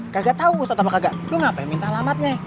gagak tau ustadz apa kagak lu ngapain minta alamatnya